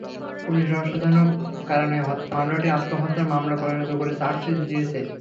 Police রহস্যজনক কারণে হত্যা মামলাটি আত্মহত্যার মামলায় পরিণত করে চার্জশিট দিয়েছে।